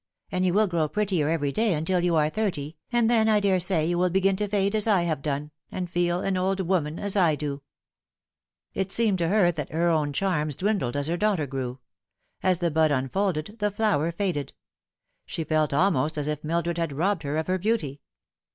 And you will grow prettier every day until you are thirty, and then I daresay 64 The Fatal Three. you will begin to fade as I have done, and feel an old woman, as I do." It seemed to her that her own charms dwindled as her daughter grew. As the bud unfolded, the flower faded. She felt almost as if Mildred had robbed her of her beauty.